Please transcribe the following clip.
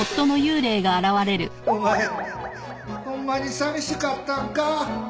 お前ホンマに寂しかったんか？